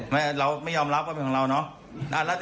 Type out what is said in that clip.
ไม่ใช่ชื่อคนอื่นผมไม่รู้ผมหันหลังมาถามอ่ะยอม